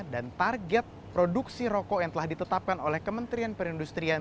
dan target produksi rokok yang telah ditetapkan oleh kementerian perindustrian